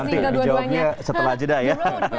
nanti dijawabnya setelah jeda ya